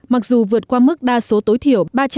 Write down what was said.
mặc dù vượt qua mức đa số tối thiểu